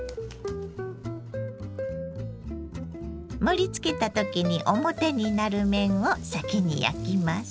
盛りつけた時に表になる面を先に焼きます。